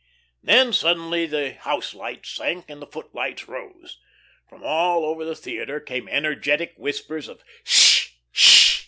Then suddenly the house lights sank and the footlights rose. From all over the theatre came energetic whispers of "Sh! Sh!"